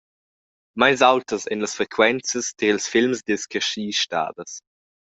Meins aultas ein las frequenzas tier ils films dils carschi stadas.